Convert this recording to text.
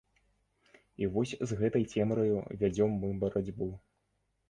І вось з гэтай цемраю вядзём мы барацьбу.